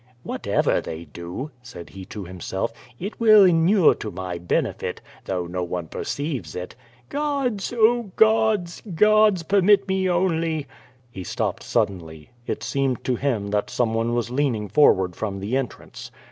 "Whatever they do," said he to himself, "it will enure to my benefit, though no one perceives it Gods! 0 gods! gods! — permit me only —" He stopped suddenly. It seemed to him that someone was leaning forward from the entrance.